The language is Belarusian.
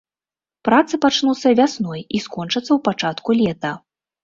Працы пачнуцца вясной і скончыцца ў пачатку лета.